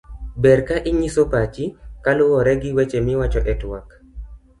ber ka inyiso pachi kaluwore gi weche miwacho e twak